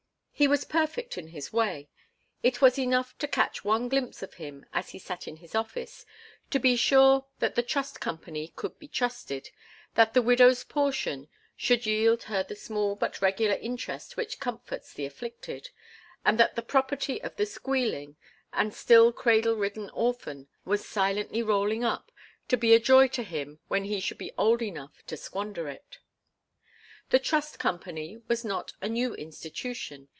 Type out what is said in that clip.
He was perfect in his way. It was enough to catch one glimpse of him, as he sat in his office, to be sure that the Trust Company could be trusted, that the widow's portion should yield her the small but regular interest which comforts the afflicted, and that the property of the squealing and still cradle ridden orphan was silently rolling up, to be a joy to him when he should be old enough to squander it. The Trust Company was not a new institution.